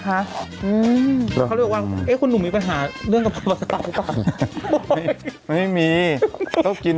คราวใส่ไข่สดใหม่